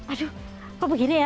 aduh kok begini ya